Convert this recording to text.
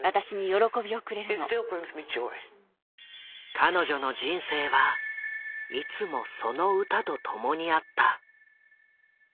彼女の人生はいつもその歌と共にあった。